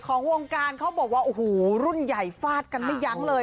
ของวงการเขาบอกว่าโอ้โหรุ่นใหญ่ฟาดกันไม่ยั้งเลย